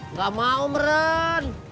nggak mau meren